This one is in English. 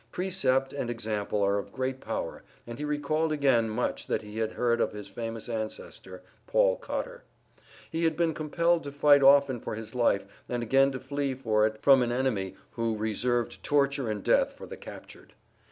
Precept and example are of great power and he recalled again much that he had heard of his famous ancestor, Paul Cotter. He had been compelled to fight often for his life and again to flee for it from an enemy who reserved torture and death for the captured.